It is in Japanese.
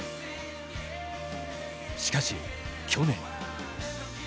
しかし、去年。